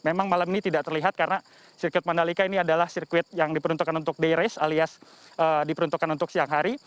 memang malam ini tidak terlihat karena sirkuit mandalika ini adalah sirkuit yang diperuntukkan untuk day race alias diperuntukkan untuk siang hari